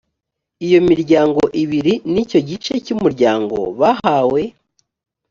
iyo miryango ibiri n’icyo gice cy’umuryango bahawe